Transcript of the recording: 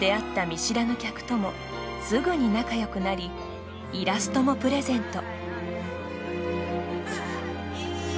見知らぬ客ともすぐに仲よくなりイラストもプレゼント。